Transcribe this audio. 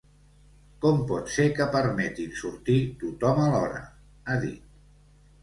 Com pot ser que permetin sortir tothom alhora?, ha dit.